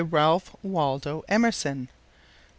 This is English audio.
Ralph Waldo Emerson 764.